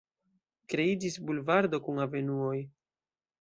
Kreiĝis bulvardo kun avenuoj.